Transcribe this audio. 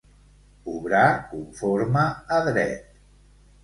Obrar conforme a dret.